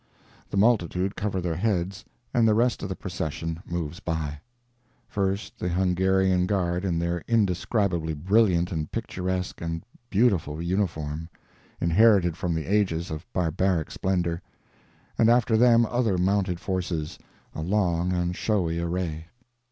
The multitude cover their heads, and the rest of the procession moves by; first the Hungarian Guard in their indescribably brilliant and picturesque and beautiful uniform, inherited from the ages of barbaric splendor, and after them other mounted forces, a long and showy array.